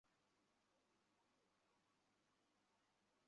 কাকে ধরবে, কাকে ধরবে না, অনেক সময় সেটি নির্ভর করে ব্যক্তির ওপর।